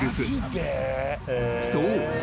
［そう。